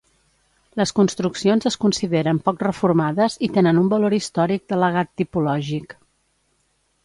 Les construccions es consideren poc reformades i tenen un valor històric de legat tipològic.